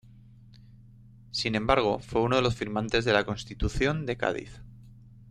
Sin embargo, fue uno de los firmantes de la Constitución de Cádiz.